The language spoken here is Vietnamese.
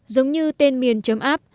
giống như tên miền chấm app